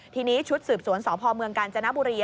ทีนี้ชุดสืบสวนสพเมืองกาญจนบุรี